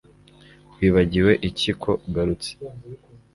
Wibagiwe iki ko ugarutse